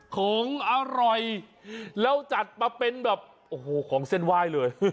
ของอร่อยแล้วจัดมาเป็นแบบโอ้โหของเส้นไหว้เลย